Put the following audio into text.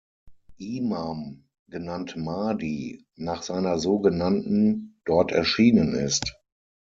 Imam, genannt Mahdi, nach seiner so genannten dort erschienen ist.